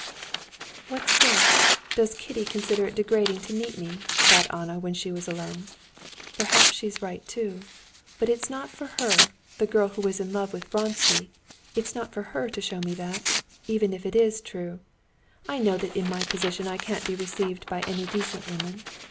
"What's this? Does Kitty consider it degrading to meet me?" thought Anna when she was alone. "Perhaps she's right, too. But it's not for her, the girl who was in love with Vronsky, it's not for her to show me that, even if it is true. I know that in my position I can't be received by any decent woman.